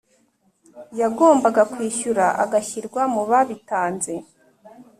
yagombaga kwishyura agashyirwa mu babitanze